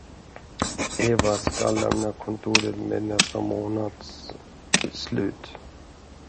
Eva skall lämna kontoret med nästa månads slut.